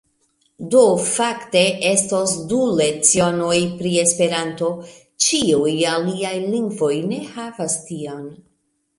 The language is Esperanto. Do fakte estos du lecionoj pri esperanto ĉiuj aliaj lingvoj ne havas tion.